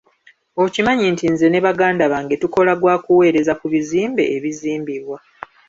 Okimanyi nti nze ne baganda bange tukola gwakuweereza ku bizimbe ebizimbibwa.